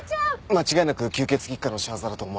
間違いなく吸血鬼一家の仕業だと思われますね。